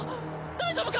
大丈夫か！？